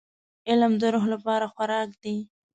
• علم د روح لپاره خوراک دی.